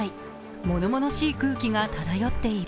ものものしい空気が漂っている。